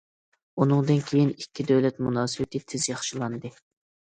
ئۇنىڭدىن كېيىن، ئىككى دۆلەت مۇناسىۋىتى تېز ياخشىلاندى.